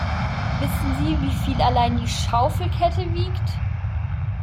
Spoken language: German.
Wissen Sie, wie viel allein die Schaufelkette wiegt?